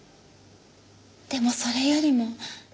でもそれよりも。